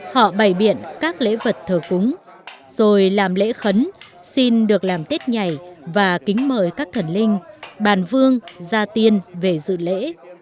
họ bày biện các lễ vật thờ cúng rồi làm lễ khấn xin được làm tết nhảy và kính mời các thần linh bàn vương gia tiên về dự lễ